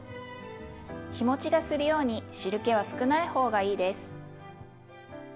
日もちがするように汁けは少ない方がいいです。